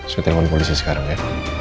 sup tirpon polisi sekarang ya